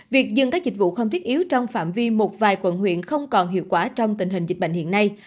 việc dừng các dịch vụ không thiết yếu trong phạm vi một vài quận huyện không còn hiệu quả trong tình hình dịch bệnh hiện nay